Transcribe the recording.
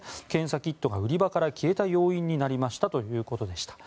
検査キットが売り場から消えた要因になりましたということです。